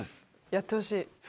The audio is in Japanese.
やってほしい。